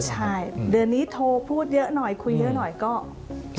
ใช่เดือนนี้โทรศัพท์พูดเยอะหน่อยคุยเยอะหน่อยก็จัดใหม่หน่อย